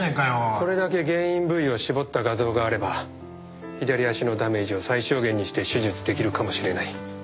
これだけ原因部位を絞った画像があれば左足のダメージを最小限にして手術できるかもしれない